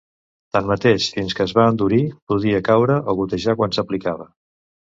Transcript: Tanmateix, fins que es va endurir, podia caure o gotejar quan s'aplicava.